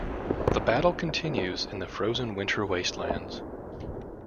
The battle continues in the frozen winter wastelands.